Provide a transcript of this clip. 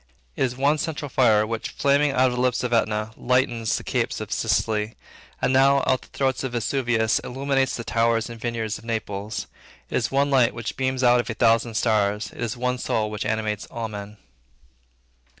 It is one central fire, which, flaming now out of the lips of Etna, lightens the capes of Sicily; and, now out of the throat of Vesuvius, illuminates the towers and vineyards of Naples. It is one light which beams out of a thousand stars. It is one soul which animates all men.